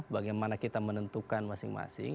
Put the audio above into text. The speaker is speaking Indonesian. bagaimana kita menentukan masing masing